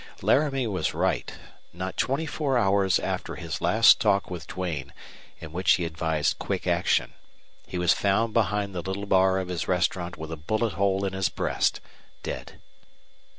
Laramie was right. Not twenty four hours after his last talk with Duane, in which he advised quick action, he was found behind the little bar of his restaurant with a bullet hole in his breast, dead.